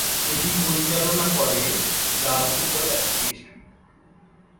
এটি পরিচালনা করে দ্য ফুটবল এসোসিয়েশন।